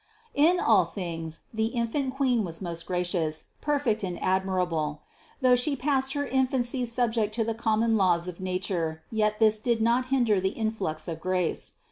353. In all things the infant Queen was most gracious, perfect and admirable. Though She passed her infancy subject to the common laws of nature, yet this did not THE CONCEPTION 283 hinder the influx of grace.